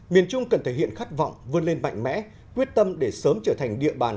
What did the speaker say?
miền trung cần thể hiện khát vọng vươn lên mạnh mẽ quyết tâm để sớm trở thành địa bàn